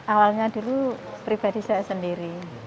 awalnya dulu pribadi saya sendiri